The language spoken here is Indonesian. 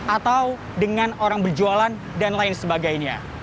atau dengan orang berjualan dan lain sebagainya